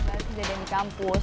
asli jadi yang di kampus